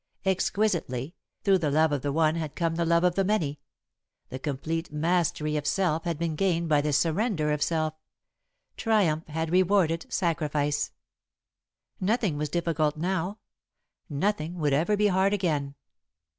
Exquisitely, through the love of the one had come the love of the many; the complete mastery of self had been gained by the surrender of self; triumph had rewarded sacrifice. [Sidenote: Her Understanding of Love] Nothing was difficult now nothing would ever be hard again.